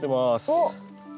おっ。